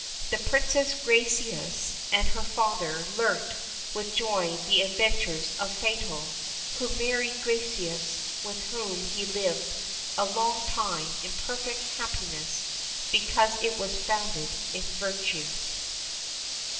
The Princess Gracieuse and her father learnt with joy the adventures of Fatal, who married Gracieuse, with whom he lived a long time in perfect happiness, because it was founded in virtue.